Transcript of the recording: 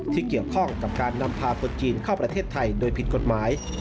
ที่เกี่ยวข้องกับการนำพาคนจีนเข้าประเทศไทยโดยผิดกฎหมาย